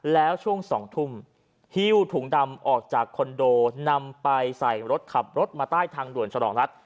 แล้วช่วง๒ทุ่มฮิ้วถุงดำออกจากคอนโดนำไปใส่รถขับรถมาใต้ทางด่วนฉลองรัฐ